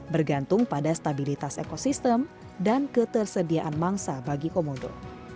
bergantung pada stabilitas ekosistem dan ketersediaan mangsa bagi komodo